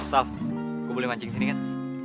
sal gue boleh mancing disini kan